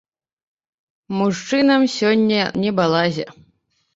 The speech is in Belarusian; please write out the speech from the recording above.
Мужчынам сёння не балазе.